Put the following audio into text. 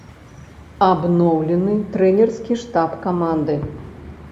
Абноўлены трэнерскі штаб каманды.